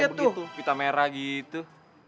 liat tuh pita merah gitu